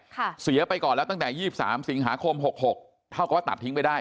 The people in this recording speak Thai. เสียไปก่อนแล้วตั้งแต่ยี่สิบสามสิงหาคมหกหกเท่ากับว่าตัดทิ้งไปได้